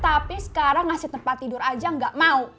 tapi sekarang ngasih tempat tidur aja gak mau